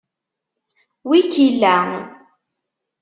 Wi k-illa?